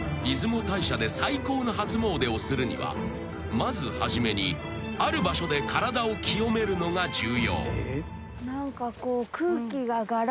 ［出雲大社で最高の初詣をするにはまず初めにある場所で体を清めるのが重要］